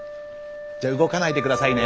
じゃ動かないでくださいね。